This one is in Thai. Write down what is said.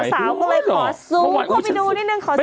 สาวก็เลยขอซูมเข้าไปดูนิดนึงขอซูมได้